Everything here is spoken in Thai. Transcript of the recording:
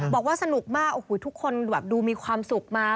บอกว่าสนุกมากทุกคนดูมีความสุขมา